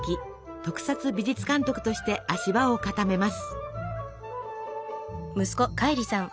特撮美術監督として足場を固めます。